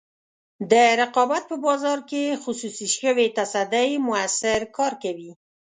د رقابت په بازار کې خصوصي شوې تصدۍ موثر کار کوي.